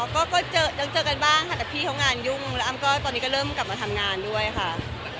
ก็ยังเจอกันบ้างค่ะแต่พี่เขางานยุ่งแล้วอ้ำก็ตอนนี้ก็เริ่มกลับมาทำงานด้วยค่ะ